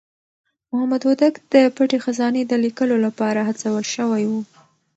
محمد هوتک د پټې خزانې د ليکلو لپاره هڅول شوی و.